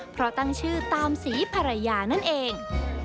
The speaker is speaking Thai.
เพราะตั้งชื่อตามสีภรรยานั่นเอง